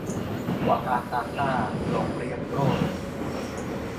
วะฮะฮะฮ่า ลง เรียบโร้ย